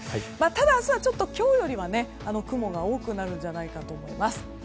ただ、明日は今日よりは雲が多くなるんじゃないかと思います。